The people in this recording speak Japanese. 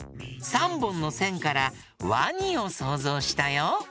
３ぼんのせんからワニをそうぞうしたよ。